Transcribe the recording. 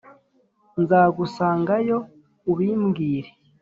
Nzagusanga yo ubimbwire.